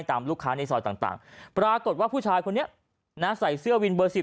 ลูกค้าในซอยต่างปรากฏว่าผู้ชายคนนี้นะใส่เสื้อวินเบอร์๑๐